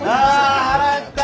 あ腹減った！